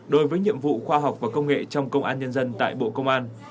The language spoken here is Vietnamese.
đối với nhiệm vụ khoa học và công nghệ trong công an nhân dân tại bộ công an